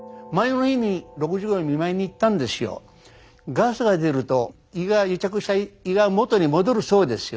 ガスが出ると癒着した胃が元に戻るそうですよ。